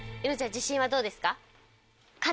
自信はどうですか？